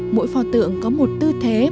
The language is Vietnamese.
mỗi phò tượng có một tư thế